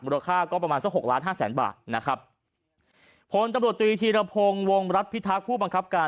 ราคาก็ประมาณสักหกล้านห้าแสนบาทนะครับผลตำรวจตรีธีรพงศ์วงรัฐพิทักษ์ผู้บังคับการ